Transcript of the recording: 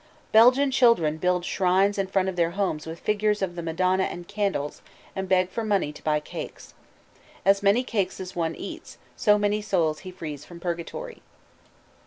Belgian children build shrines in front of their homes with figures of the Madonna and candles, and beg for money to buy cakes. As many cakes as one eats, so many souls he frees from Purgatory.